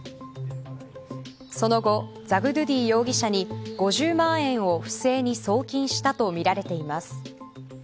その後、ザグドゥディ容疑者に５０万円を不正に送金したとみられています。